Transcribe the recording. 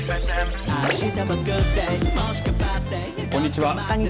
こんにちは。